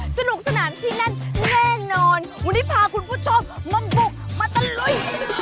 สนุกสนานที่นั่นแน่นอนวันนี้พาคุณผู้ชมมาบุกมาตะลุย